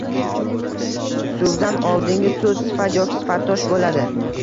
suvdan oldingi soʻz sifat yoki sifatdosh boʻladi